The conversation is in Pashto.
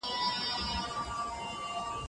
دومره پوه نه سوم ښځه که نر یې